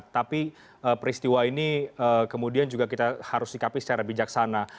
tapi peristiwa ini kemudian juga kita harus sikapi secara bijaksana